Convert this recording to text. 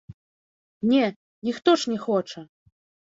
Не, ніхто ж не хоча!